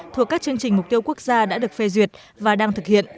thuộc các chương trình mục tiêu quốc gia đã được phê duyệt và đang thực hiện